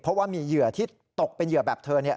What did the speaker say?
เพราะว่ามีเหยื่อที่ตกเป็นเหยื่อแบบเธอเนี่ย